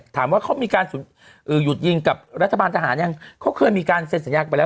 ถามว่าเขามีการหยุดยิงกับรัฐบาลทหารยังเขาเคยมีการเซ็นสัญญาไปแล้ว